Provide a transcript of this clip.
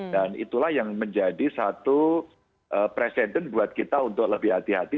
dan itulah yang menjadi satu presiden buat kita untuk lebih hati hati